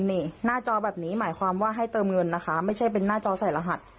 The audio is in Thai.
นี่หน้าจอแบบนี้หมายความว่าให้เติมเงินนะคะไม่ใช่เป็นหน้าจอใส่รหัส